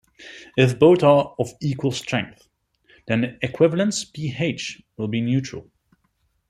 If both are of equal strength, then the equivalence pH will be neutral.